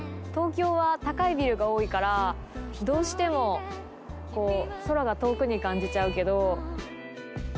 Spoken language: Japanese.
東京は高いビルが多いからどうしてもこう空が遠くに感じちゃうけど。